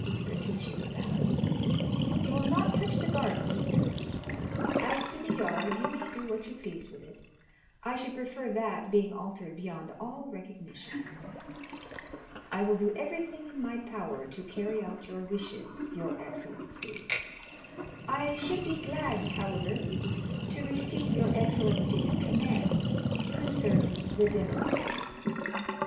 Bertuccio bowed. "You will not touch the garden either; as to the yard, you may do what you please with it; I should prefer that being altered beyond all recognition." "I will do everything in my power to carry out your wishes, your excellency. I should be glad, however, to receive your excellency's commands concerning the dinner."